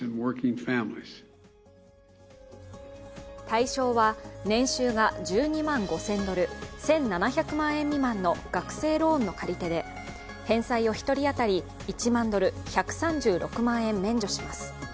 対象は、年収が１２万５０００ドル、１７００万円未満の学生ローンの借り手で、返済を一人当たり１万ドル、１３６万円免除します。